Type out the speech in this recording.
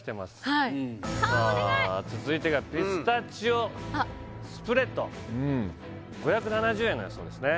はいはお願いさあ続いてがピスタチオスプレッド５７０円の予想ですね